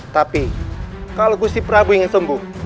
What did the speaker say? tapi kalau gusi prabu ingin sembuh